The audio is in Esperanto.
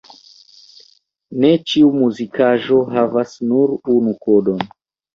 Ne ĉiu muzikaĵo havas nur unu kodon.